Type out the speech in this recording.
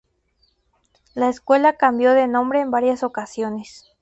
La escuela cambió de nombre en varias ocasiones.